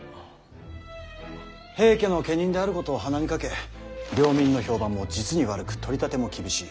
平家の家人であることを鼻にかけ領民の評判も実に悪く取り立ても厳しい。